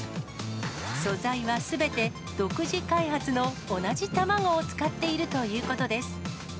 素材はすべて、独自開発の同じ卵を使っているということです。